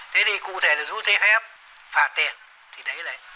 thế thì cụ thể là dũ thế phép phạt tiền thì đấy đấy